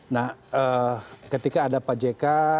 nah ketika ada pak jk